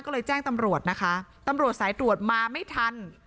ก็เลยแจ้งตำรวจนะคะตำรวจสายตรวจมาไม่ทัน